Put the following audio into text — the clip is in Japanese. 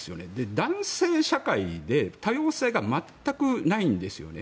男性社会で多様性が全くないんです。